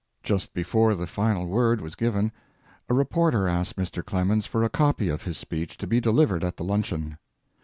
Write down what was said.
Just before the final word was given a reporter asked Mr. Clemens for a copy of his speech to be delivered at the luncheon.